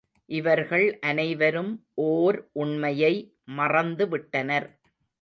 இவர்கள் அனைவரும் ஓர் உண்மையை மறந்துவிட்டனர்.